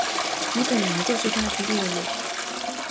你本来就是他的猎物